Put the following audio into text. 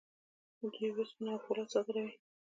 دوی وسپنه او فولاد صادروي.